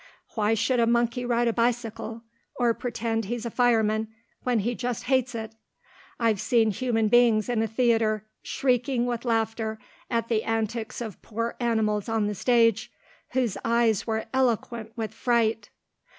Why should a monkey ride a bicycle, or pretend he's a fireman, when he just hates it? I've seen human beings in a theatre, shrieking with laughter at the antics of poor animals on the stage, whose eyes were eloquent with fright.